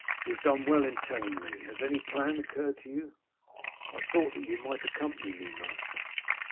You have done well in telling me. Has any plan occurred to you?" "I thought that you might accompany me, master."